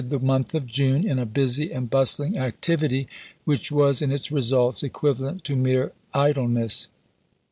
the month of June in a busy and bustling activity 1862. which was in its results equivalent to mere idle ness.